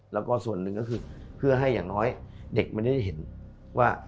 แล้วก็ส่วนหนึ่งก็คือเพื่อให้อย่างน้อยเด็กมันได้เห็นว่า